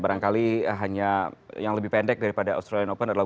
barangkali hanya yang lebih pendek daripada australian open adalah